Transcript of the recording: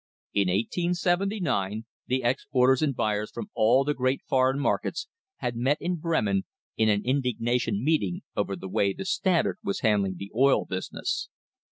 In 1879 tne exporters and buyers from all the great foreign markets had met in Bremen in an indignation meeting over the way the Standard was handling the oil business.